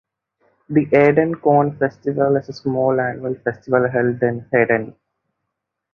The Eden Corn Festival is a small annual festival held in Eden.